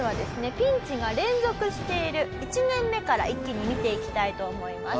ピンチが連続している１年目から一気に見ていきたいと思います。